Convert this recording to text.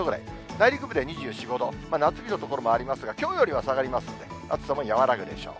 内陸部で２４、５度、夏日の所もありますが、きょうよりは下がりますので、暑さも和らぐでしょう。